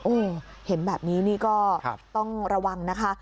โอ้โหเห็นแบบนี้นี่ก็ต้องระวังนะคะ